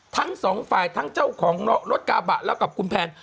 ทั้งสองฝ่ายทั้งเจ้าของรถกระบะแล้วกับคุณแพน